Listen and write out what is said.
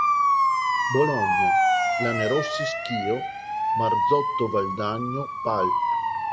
Bologna; Lanerossi Schio; Marzotto Valdagno; Pall.